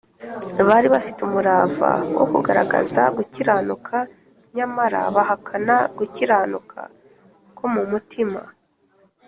. Bari bafite umurava wo kugaragaza gukiranuka, nyamara bahakana gukiranuka ko mu mutima.